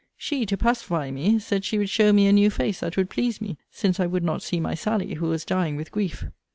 She, to pacify me, said she would show me a new face that would please me; since I would not see my Sally, who was dying with grief.